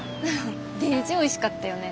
デージおいしかったよね。